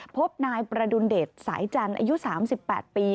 พบนายประดุลเดชสายจันทร์อายุ๓๘ปี